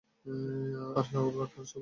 আর সরবরাহকারী কে বলুন?